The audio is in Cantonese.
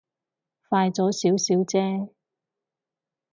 快咗少少啫